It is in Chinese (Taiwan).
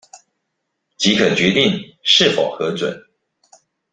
即可決定是否核准